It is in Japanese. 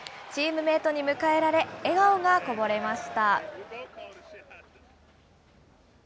チームメートに迎えられ、笑顔がこぼれました。